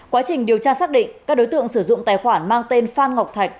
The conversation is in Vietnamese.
quá trình điều tra xác định các đối tượng sử dụng tài khoản mang tên phan ngọc thạch